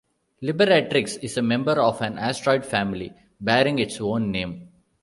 Liberatrix is a member of an asteroid family bearing its own name.